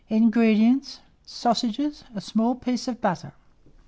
INGREDIENTS. Sausages; a small piece of butter.